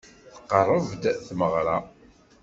Tqerreb-d tmeɣra.